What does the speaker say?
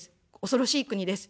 恐ろしい国です。